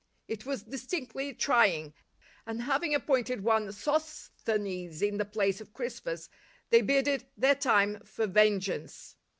It was distinctly trying, and having appointed one Sosthenes in the place of Crispus, they bided their time for vengeance.